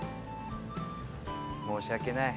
申し訳ない。